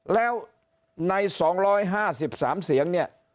แล้วใน๒๕๓เสียงเนี่ย